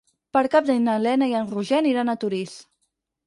Per Cap d'Any na Lena i en Roger aniran a Torís.